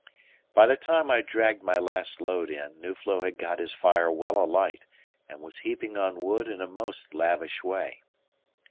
By the time I dragged my last load in, Nuflo had got his fire well alight, and was heaping on wood in a most lavish way.